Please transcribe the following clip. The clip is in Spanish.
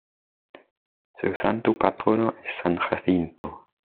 Su santo patrono es san Jacinto.